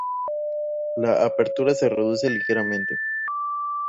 La apertura se reduce ligeramente.